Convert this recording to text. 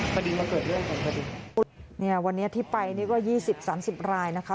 พอดีมาเกิดเรื่องกันพอดีเนี่ยวันนี้ที่ไปนี่ก็ยี่สิบสามสิบรายนะคะ